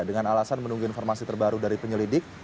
dengan alasan menunggu informasi terbaru dari penyelidik